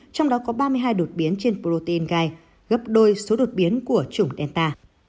trong đó có ba mươi hai đột biến trên protein gai gấp đôi số đột biến của chủng delta